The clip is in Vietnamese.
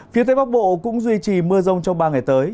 phía tây bắc bộ cũng duy trì mưa rông trong ba ngày tới